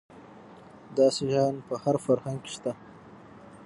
داسې شیان په هر فرهنګ کې شته.